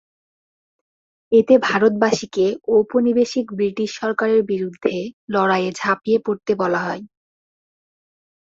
এতে ভারতবাসীকে ঔপনিবেশিক ব্রিটিশ সরকারের বিরুদ্ধে লড়াইয়ে ঝাঁপিয়ে পড়তে বলা হয়।